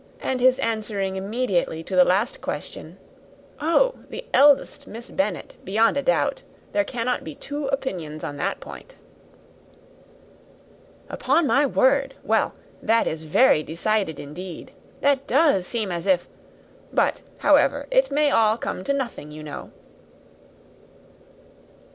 and his answering immediately to the last question, 'Oh, the eldest Miss Bennet, beyond a doubt: there cannot be two opinions on that point.'" "Upon my word! Well, that was very decided, indeed that does seem as if but, however, it may all come to nothing, you know."